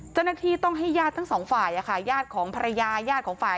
เจ้าหน้าที่ต้องให้ญาติทั้งสองฝ่ายญาติของภรรยาญาติของฝ่าย